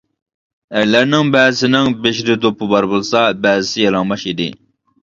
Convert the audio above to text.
ئەرلەرنىڭ بەزىسىنىڭ بېشىدا دوپپا بار بولسا، بەزىسى يالاڭباش ئىدى.